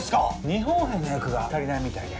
日本兵の役が足りないみたいで。